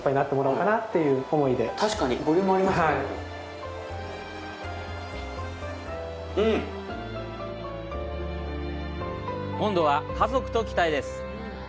うん！今度は家族と来たいです。